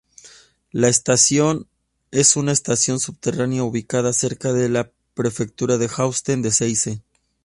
La estación es una estación subterránea ubicada cerca de la prefectura de Hauts-de-Seine.